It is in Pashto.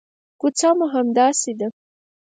کوڅه مو همداسې ده.